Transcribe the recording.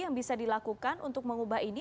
yang bisa dilakukan untuk mengubah ini